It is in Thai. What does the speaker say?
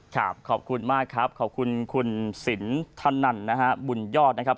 ขอบคุณมากครับขอบคุณคุณสินธนันนะฮะบุญยอดนะครับ